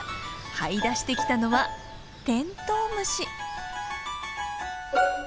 はい出してきたのはテントウムシ。